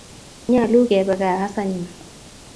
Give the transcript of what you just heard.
Nyalu kepe kaa as anyun